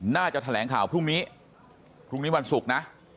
แถลงข่าวพรุ่งนี้พรุ่งนี้วันศุกร์นะ